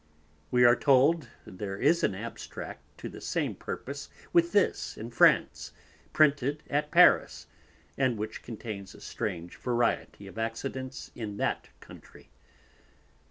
We are told there is an Abstract to the same purpose with this in France, Printed at Paris, and which contains a strange variety of Accidents in that Country.